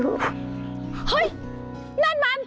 เฮ้ยนั่นมัน